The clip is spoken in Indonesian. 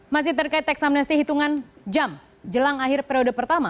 masih terkait teks amnesti hitungan jam jelang akhir periode pertama